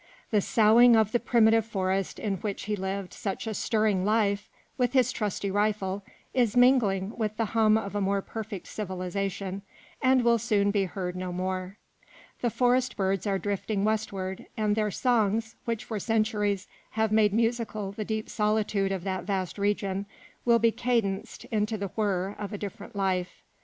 The soughing of the primitive forest in which he lived such a stirring life with his trusty rifle, is mingling with the hum of a more perfect civilization, and will soon be heard no more. The forest birds are drifting westward, and their songs, which for centuries have made musical the deep solitude of that vast region, will be cadenced into the whirr of a different life.